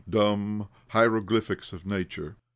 idumb hieroglyphics of nature.